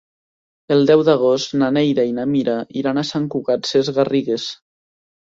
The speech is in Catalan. El deu d'agost na Neida i na Mira iran a Sant Cugat Sesgarrigues.